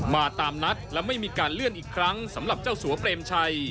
มาตามนัดและไม่มีการเลื่อนอีกครั้งสำหรับเจ้าสัวเปรมชัย